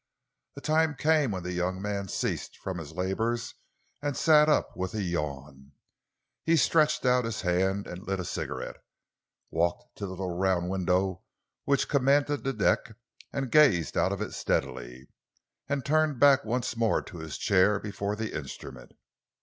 A time came when the young man ceased from his labours and sat up with a yawn. He stretched out his hand and lit a cigarette, walked to the little round window which commanded the deck, gazed out of it steadily, and turned back once more to his chair before the instrument.